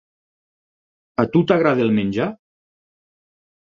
A tu t'agrada el menjar?